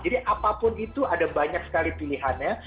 jadi apapun itu ada banyak sekali pilihannya